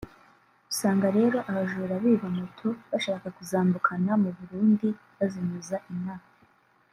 usanga rero abajura biba Moto bashaka kuzambukana mu Burundi bazinyuza inaha